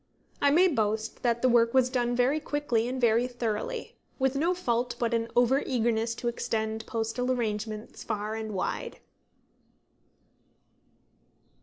I may boast that the work was done very quickly and very thoroughly, with no fault but an over eagerness to extend postal arrangements far and wide.